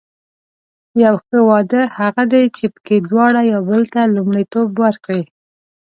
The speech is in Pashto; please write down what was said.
یو ښه واده هغه دی چې پکې دواړه یو بل ته لومړیتوب ورکړي.